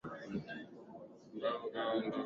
Pumbafu kama kondoo.